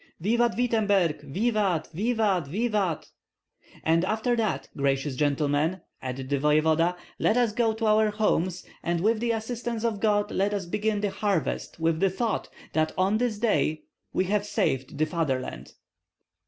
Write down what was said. "Vivat Wittemberg! vivat! vivat! vivat!" "And after that, gracious gentlemen," added the voevoda, "let us go to our homes, and with the assistance of God let us begin the harvest with the thought that on this day we have saved the fatherland."